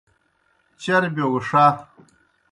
چربِیو گہ ݜہ۔